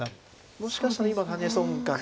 「もしかしたら今のハネ損かな」。